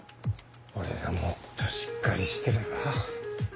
俺がもっとしっかりしてれば。